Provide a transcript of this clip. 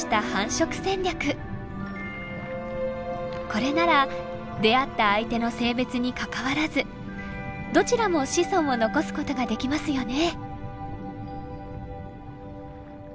これなら出会った相手の性別にかかわらずどちらも子孫を残すことができますよね。